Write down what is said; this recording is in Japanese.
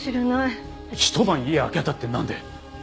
ひと晩家空けたってなんで？